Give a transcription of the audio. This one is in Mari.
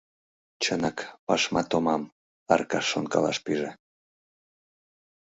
«Чынак, паша томам, — Аркаш шонкалаш пиже.